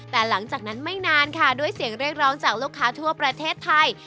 แต่หลังจากนั้นไม่นานค่ะด้วยเสียงเรียกร้องจากลูกค้าทั่วประเทศไทย